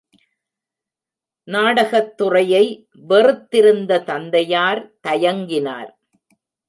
நாடகத்துறையை வெறுத்திருந்த தந்தையார் தயங்கினார்.